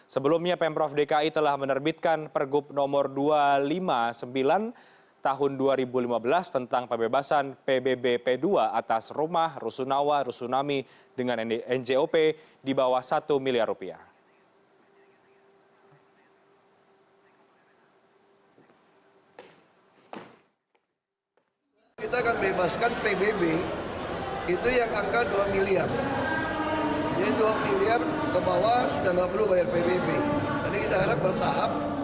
sebelumnya pemprov dki telah menerbitkan pergub nomor dua ratus lima puluh sembilan tahun dua ribu lima belas tentang pembebasan pbbp dua atas rumah rusunawa rusunami dengan njop di bawah satu miliar rupiah